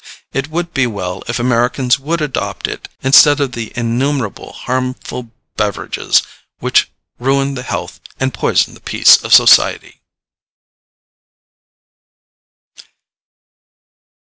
"[F] It would be well if Americans would adopt it instead of the innumerable harmful beverages which ruin the health and poison the peace of society.